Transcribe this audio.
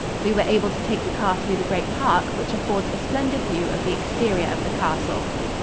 We were able to take the car through the great park, which affords a splendid view of the exterior of the castle.